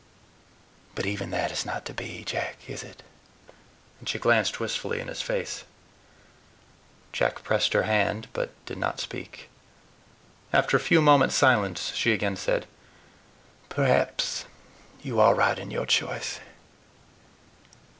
But even that is not to be, Jack, is it?" and she glanced wistfully in his face. Jack pressed her hand, but did not speak. After a few moments' silence, she again said: "Perhaps you are right in your choice.